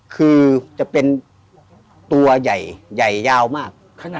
คือจะเป็นตัวใหญ่ใหญ่ยาวมาก